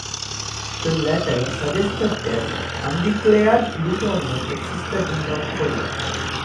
The latter suggested that undeclared plutonium existed in North Korea.